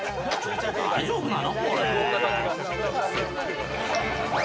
大丈夫なの？